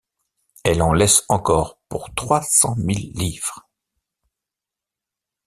Elle en laisse encore pour trois cent mille livres.